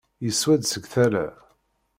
Yeswa-d seg tala.